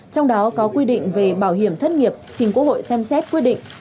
trong đó có quy định về bảo hiểm thất nghiệp chính quốc hội xem xét quy định